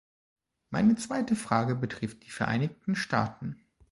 Meine zweite Frage betrifft die Vereinigten Staaten.